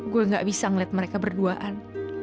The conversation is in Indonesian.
gue gak bisa ngeliat mereka berduaan